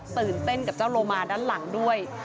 ตื่นเต้นกับเจ้าโลมาด้านหลังด้วย